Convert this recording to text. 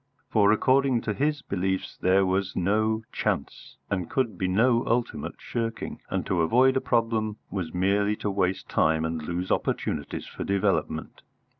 For according to his beliefs there was no Chance, and could be no ultimate shirking, and to avoid a problem was merely to waste time and lose opportunities for development.